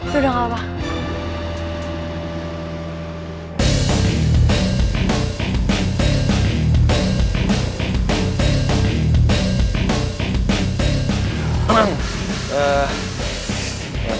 yaudah gak apa apa